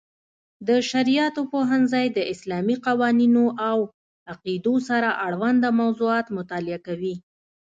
د شرعیاتو پوهنځی د اسلامي قوانینو او عقیدو سره اړوند موضوعاتو مطالعه کوي.